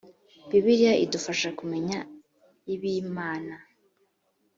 bibiliya idufasha kumenya ib’imana